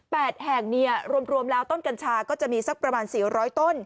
แห่งเนี่ยรวมรวมแล้วต้นกัญชาก็จะมีสักประมาณสี่ร้อยต้น